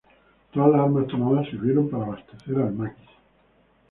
Todas las armas tomadas sirvieron para abastecer el maquis.